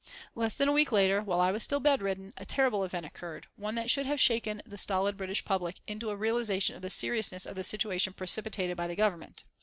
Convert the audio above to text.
Less than a week later, while I was still bed ridden, a terrible event occurred, one that should have shaken the stolid British public into a realisation of the seriousness of the situation precipitated by the Government.